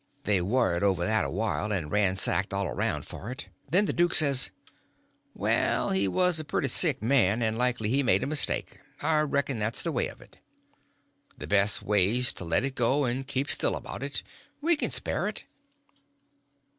They worried over that awhile, and ransacked all around for it. Then the duke says: "Well, he was a pretty sick man, and likely he made a mistake—I reckon that's the way of it. The best way's to let it go, and keep still about it. We can spare it."